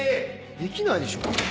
できないでしょこれ。